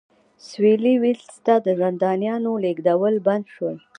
سوېلي ویلز ته د زندانیانو لېږدول بند شول.